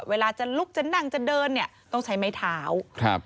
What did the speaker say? เวลาจะลุกจะนั่งจะเดินต้องใช้ไม้เท้า